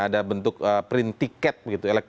ada bentuk print ticket begitu